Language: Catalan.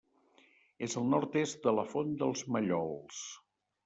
És al nord-est de la Font dels Mallols.